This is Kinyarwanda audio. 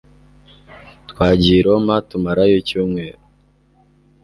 Twagiye i Roma, tumarayo icyumweru.